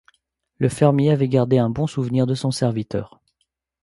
Le fermier avait gardé un bon souvenir de son serviteur.